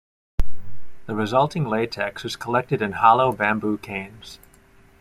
The resulting latex is collected in hollow bamboo canes.